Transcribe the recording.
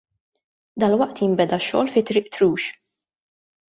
Dalwaqt jinbeda x-xogħol fi Triq Trux.